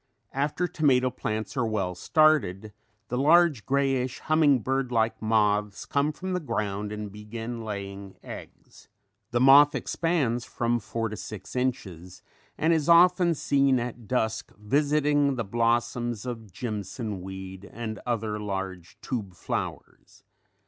After tomato plants are well started the large greyish humming bird like moths comes from the ground and begin laying eggs. The moth expands from four to six inches and is often seen at dusk visiting the blossoms of "jimson weed" and other large tube flowers.